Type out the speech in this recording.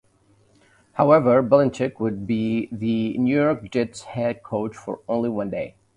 However, Belichick would be the New York Jets' head coach for only one day.